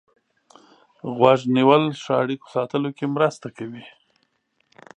غوږ نیول ښه اړیکو ساتلو کې مرسته کوي.